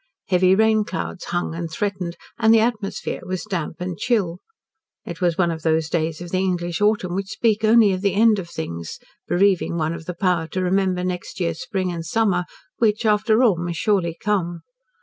Heavy rain clouds hung and threatened, and the atmosphere was damp and chill. It was one of those days of the English autumn which speak only of the end of things, bereaving one of the power to remember next year's spring and summer, which, after all, must surely come.